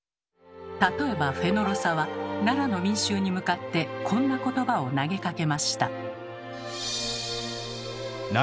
例えばフェノロサは奈良の民衆に向かってこんな言葉を投げかけました。